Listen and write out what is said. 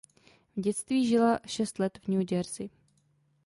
V dětství žila šest let v New Jersey.